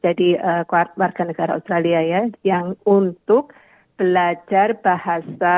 jadi warga negara australia ya yang untuk belajar bahasa